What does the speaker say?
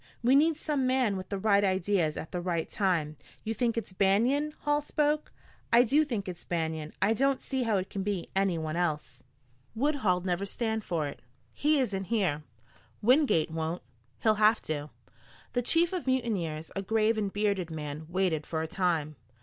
We need some man with the right ideas at the right time." "You think it's Banion?" Hall spoke. "I do think it's Banion. I don't see how it can be anyone else." "Woodhull'd never stand for it." "He isn't here." "Wingate won't." "He'll have to." The chief of mutineers, a grave and bearded man, waited for a time.